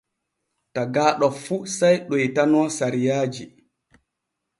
Tagaaɗo fu sey ɗoytano sariyaaji.